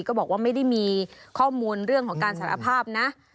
ก็บอกว่าไม่ได้มีข้อมูลเรื่องของการสารภาพนะ